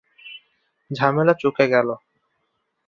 ঝামেলা চুকে গেল।